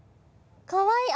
かわいい。